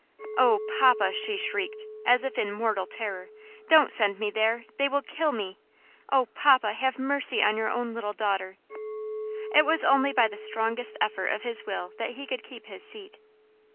"Oh, papa!" she shrieked, as if in mortal terror, "don't send me there! they will kill me! Oh, papa, have mercy on your own little daughter!" It was only by the strongest effort of his will that he could keep his seat.